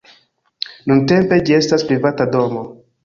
Nuntempe ĝi estas privata domo.